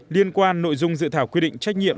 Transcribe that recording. liên quan nội dung dự thảo quy định trách nhiệm